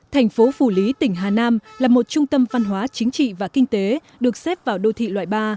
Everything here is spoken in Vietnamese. thành phố phủ lý tỉnh hà nam là một trung tâm văn hóa chính trị và kinh tế được xếp vào đô thị loại ba